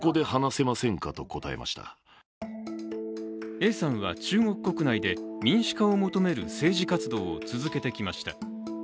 Ａさんは中国国内で民主化を求める政治活動を続けてきました。